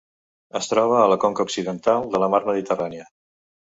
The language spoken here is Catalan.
Es troba a la conca occidental de la Mar Mediterrània.